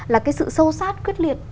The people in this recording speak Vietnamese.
là cái sự sâu sát quyết liệt